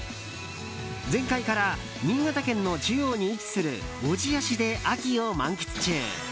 前回から新潟県の中央に位置する小千谷市で秋を満喫中。